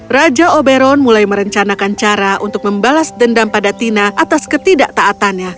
raja oberon mulai merencanakan cara untuk membalas dendam pada tina atas ketidaktaatannya